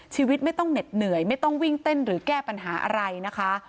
ชีวิตไม่ต้องเหน็ดเหนื่อยไม่ต้องวิ่งเต้นหรือแก้ปัญหาอะไรนะคะ